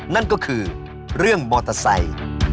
นั่นก็คือเรื่องมอเตอร์ไซค์